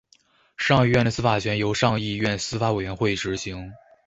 上议院的司法权由上议院司法委员会执行。